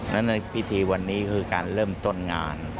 และในพิธีวันนี้คือการเริ่มต้นงาน